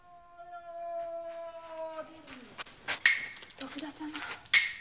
徳田様。